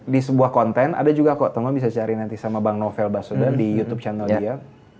di sebuah konten ada juga kok teman bisa cari nanti sama bang novel baswedan di youtube channel dia